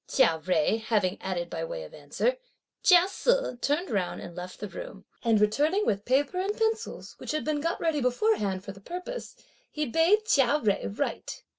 Chia Jui having added by way of answer; Chia Se turned round and left the room; and returning with paper and pencils, which had been got ready beforehand for the purpose, he bade Chia Jui write.